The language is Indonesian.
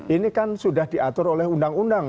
ini kan sudah diatur oleh undang undang